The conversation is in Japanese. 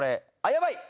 ヤバい。